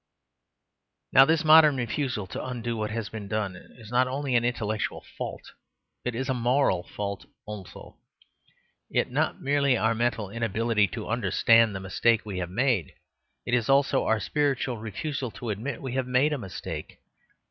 Now this modern refusal to undo what has been done is not only an intellectual fault; it is a moral fault also. It is not merely our mental inability to understand the mistake we have made. It is also our spiritual refusal to admit that we have made a mistake.